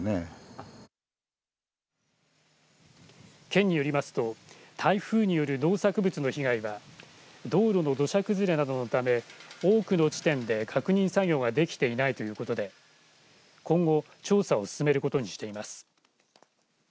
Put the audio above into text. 県によりますと台風による農作物の被害は道路の土砂崩れなどのため多くの地点で確認作業ができていないということで今後調査を進めることにしています。